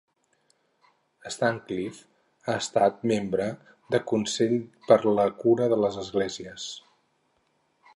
Stancliffe ha estat membre de Consell per a la Cura de les Esglésies.